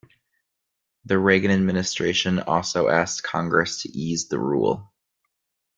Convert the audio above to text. The Reagan administration also asked Congress to ease the rule.